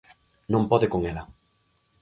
Non pode con ela.